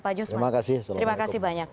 pak jusman terima kasih banyak